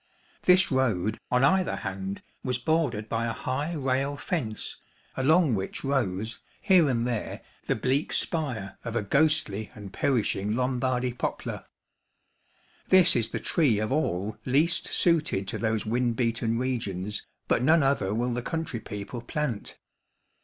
This road, on either hand, was bordered by a high rail fence, along which rose, here and there, the bleak spire of a ghostly and perishing Lombardy poplar. This is the tree of all least suited to those wind beaten regions, but none other will the country people plant.